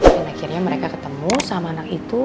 dan akhirnya mereka ketemu sama anak itu